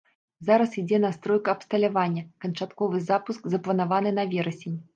Зараз ідзе настройка абсталявання, канчатковы запуск запланаваны на верасень.